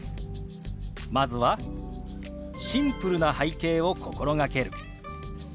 まずは「シンプルな背景を心がける」。